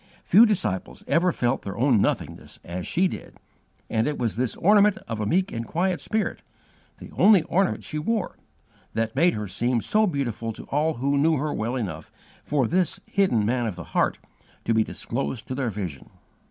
Few disciples ever felt their own nothingness as she did, and it was this ornament of a meek and quiet spirit the only ornament she wore that made her seem so beautiful to all who knew her well enough for this 'hidden man of the heart' to be disclosed to their vision.